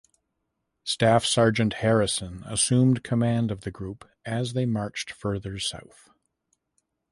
Staff Sergeant Harrison assumed command of the group as they marched further south.